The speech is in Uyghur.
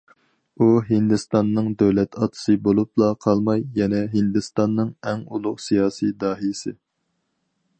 ئۇ ھىندىستاننىڭ دۆلەت ئاتىسى بولۇپلا قالماي، يەنە ھىندىستاننىڭ ئەڭ ئۇلۇغ سىياسىي داھىيسى.